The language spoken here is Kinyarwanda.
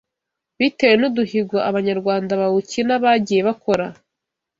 bitewe n’uduhigo abanyarwanda bawukina bagiye bakora